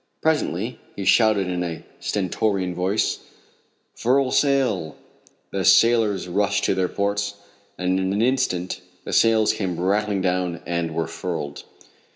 Presently he shouted in a stentorian voice: "Furl sail!" The sailors rushed to their posts, and in an instant the sails came rattling down and were furled.